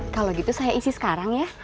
kalau gitu saya isi sekarang ya